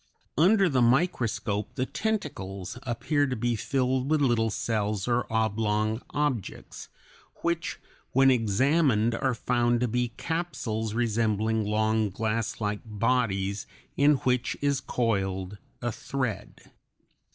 Under the microscope the tentacles appear to be filled with little cells or oblong objects, which when examined are found to be capsules (C) resembling long glasslike bodies in which is coiled a thread.